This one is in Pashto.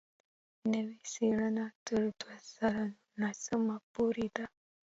نوې څېړنه تر دوه زره نولسم پورې ده.